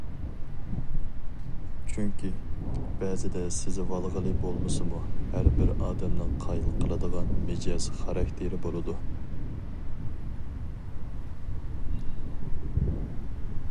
چۈنكى، بەزىدە سېزىۋالغىلى بولمىسىمۇ، ھەربىر ئادەمنىڭ قايىل قىلىدىغان مىجەز- خاراكتېرى بولىدۇ.